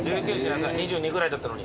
２２ぐらいだったのに？